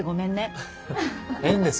ええんです。